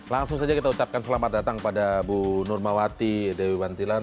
langsung saja kita ucapkan selamat datang pada bu nurmawati dewi bantilan